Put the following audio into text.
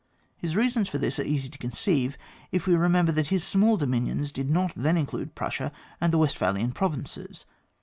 His reasons for this are easy to conceive, if we remember that his small dominions did not then include Prussia and the Westphalian provinces.